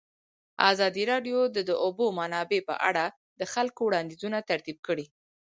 ازادي راډیو د د اوبو منابع په اړه د خلکو وړاندیزونه ترتیب کړي.